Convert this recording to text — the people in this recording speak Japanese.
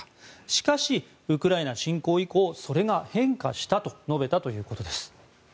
しかしウクライナ侵攻以降それが変化したと述べたということです。